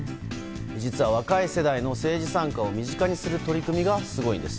実は、若い世代の政治参加を身近にする取り組みがすごいんです。